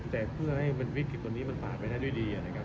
แต่เพื่อให้วิธีตัวนี้ผ่านไปได้ด้วยดี